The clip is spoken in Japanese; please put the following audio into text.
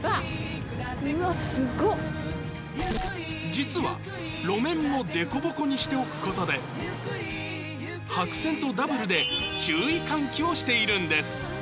実は路面もでこぼこにしておくことで白線とダブルで注意喚起をしているんです。